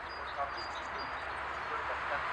سياستپوهنه يو بشپړ علم دی او سياست يو پېچلی هنر دی.